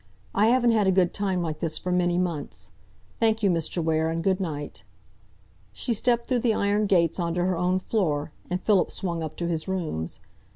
"I haven't had a good time like this for many months. Thank you, Mr. Ware, and good night!" She stepped through the iron gates on to her own floor, and Philip swung up to his rooms.